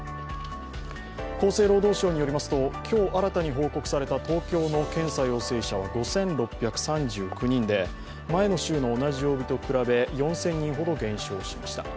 厚生労働省によりますと今日新たに報告された東京の検査陽性者は５６３９人で、前の週の同じ曜日と比べ４０００人ほど減少しました。